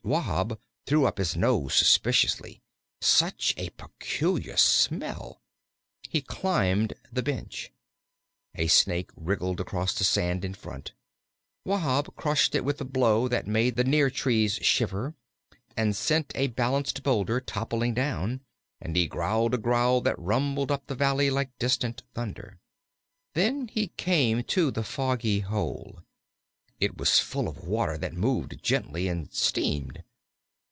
Wahb threw up his nose suspiciously such a peculiar smell! He climbed the bench. A snake wriggled across the sand in front. Wahb crushed it with a blow that made the near trees shiver and sent a balanced boulder toppling down, and he growled a growl that rumbled up the valley like distant thunder. Then he came to the foggy hole. It was full of water that moved gently and steamed.